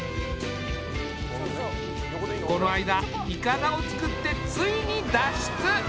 この間いかだを作ってついに脱出！